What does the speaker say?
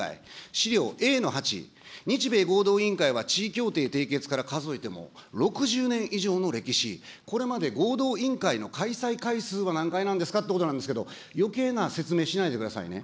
資料Ａの８、日米合同委員会は地位協定締結から数えても６０年以上の歴史、これまで合同委員会の開催回数は何回なんですかってことなんですけれども、よけいな説明しないでくださいね。